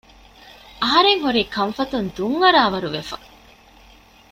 އަހަރެންހުރީ ކަންފަތުން ދުން އަރާވަރު ވެފަ